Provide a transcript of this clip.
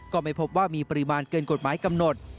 ก็ไม่พบว่ามีปริมาณเกินกฎหมายกำหนด